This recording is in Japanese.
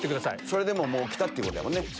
それできた！ってことやもんね。